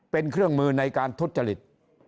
เป็นเครื่องมือในการทุจริต